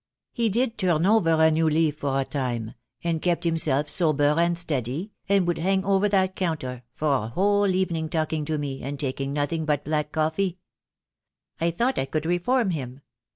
He did turn over a new leaf for a time, and kept himself sober and steady, and would hang over that counter for a whole evening talking to me, and take nothing but black coffee. I thought I could reform him.